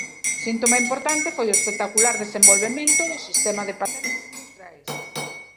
Síntoma importante foi o espectacular desenvolvemento do sistema de patentes industriais.